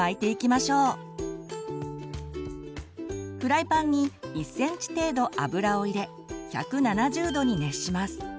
フライパンに１センチ程度油を入れ１７０℃に熱します。